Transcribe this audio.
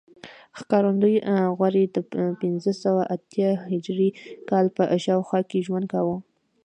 ښکارندوی غوري د پنځه سوه اتیا هجري کال په شاوخوا کې ژوند کاوه